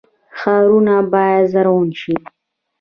ښارونه باید زرغون شي